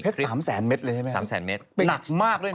เพชร๓๐๐๐เมตรเลยใช่ไหมครับ๓๐๐๐เมตร